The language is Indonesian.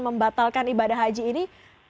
membatalkan ibadah haji ini